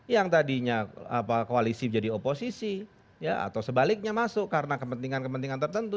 yang tadinya koalisi menjadi oposisi atau sebaliknya masuk karena kepentingan kepentingan tertentu